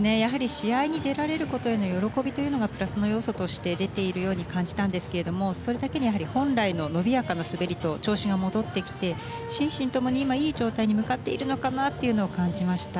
試合に出られることへの喜びというのがプラスの要素として出ているように感じたんですがそれだけに本来の伸びやかな滑りと調子が戻ってきて心身ともに今いい状態に向かっているのかなというのを感じました。